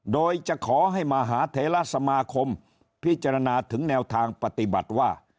โดยจะขอให้มหาเทราสมาคมพิจารณาถึงแนวทางปฏิบัติว่า